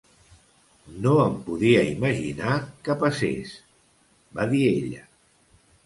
No em podia imaginar que passés, va dir ella.